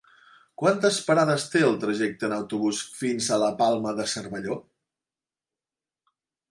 Quantes parades té el trajecte en autobús fins a la Palma de Cervelló?